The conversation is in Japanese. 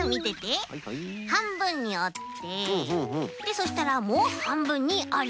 そしたらもうはんぶんにおる。